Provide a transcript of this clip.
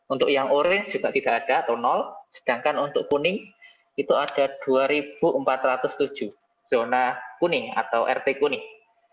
untuk yang orange juga tidak ada atau sedangkan untuk kuning itu ada dua empat ratus tujuh zona kuning atau rt kuning